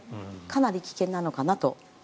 かなり危険なのかなと。